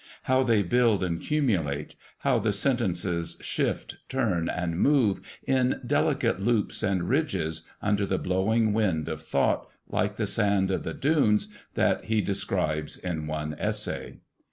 How they build and cumulate, how the sentences shift, turn and move in delicate loops and ridges under the blowing wind of thought, like the sand of the dunes that he describes in one essay.